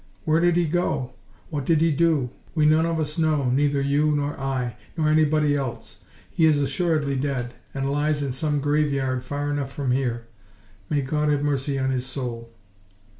Where did he go? What did he do? We none of us know, neither you nor I, nor anybody else. He is assuredly dead, and lies in some graveyard far enough from here. May God have mercy on his soul!"